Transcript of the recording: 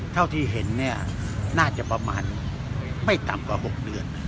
เท่าที่เห็นเนี่ยน่าจะประมาณไม่ต่ำกว่า๖เดือน